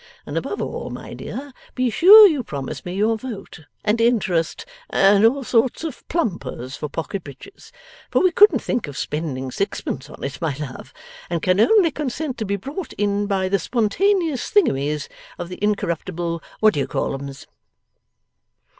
And above all, my dear, be sure you promise me your vote and interest and all sorts of plumpers for Pocket Breaches; for we couldn't think of spending sixpence on it, my love, and can only consent to be brought in by the spontaneous thingummies of the incorruptible whatdoyoucallums.